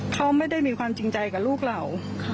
เขาไม่ได้มีความจริงใจกับลูกเรา